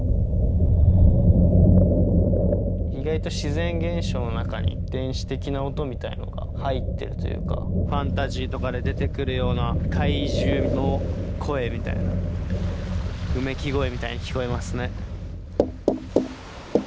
意外と自然現象の中に電子的な音みたいのが入ってるというかファンタジーとかで出てくるような怪獣の声みたいなうめき声みたいに聞こえますね。